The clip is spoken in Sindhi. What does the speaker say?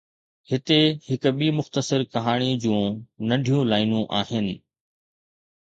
هتي هڪ ٻي مختصر ڪهاڻي جون ننڍيون لائينون آهن